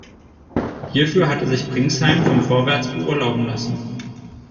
Hierfür hatte sich Pringsheim vom "Vorwärts" beurlauben lassen.